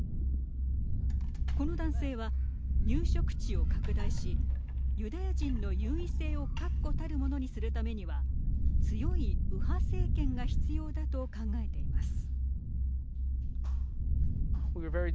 この男性は入植地を拡大しユダヤ人の優位性を確固たるものにするためには強い右派政権が必要だと考えています。